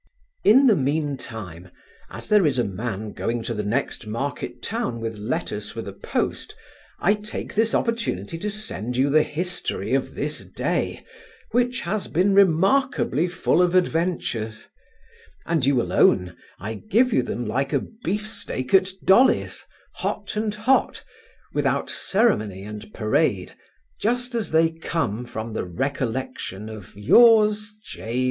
In the mean time, as there is a man going to the next market town with letters for the post, I take this opportunity to send you the history of this day, which has been remarkably full of adventures; and you will own I give you them like a beef steak at Dolly's, hot and hot, without ceremony and parade, just as they come from the recollection of Yours, J.